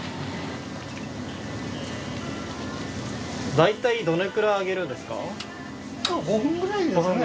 だいたいどれくらい揚げるんですか？